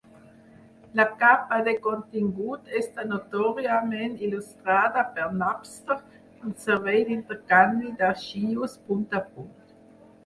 La capa de contingut està notòriament il·lustrada per Napster, un servei d'intercanvi d'arxius punt a punt.